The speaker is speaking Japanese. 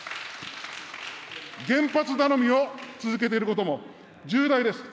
原発頼みを続けていることも、重大です。